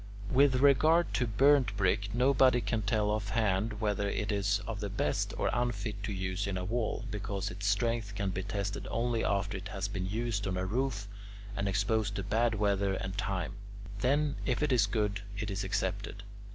With regard to burnt brick, nobody can tell offhand whether it is of the best or unfit to use in a wall, because its strength can be tested only after it has been used on a roof and exposed to bad weather and time then, if it is good it is accepted.